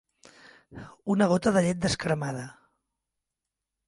Una gota de llet descremada.